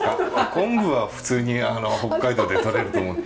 昆布は普通に北海道で取れると思うので。